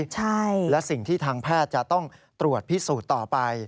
ใช่และสิ่งที่ทางแพทย์จะต้องตรวจพิสูจน์ต่อไป